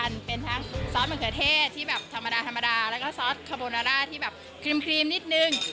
อันนี้เป็นซอสมะเขือเทศที่แบบธรรมดาแล้วก็ซอสคอโบนาร่าที่แบบครีมนิดนึง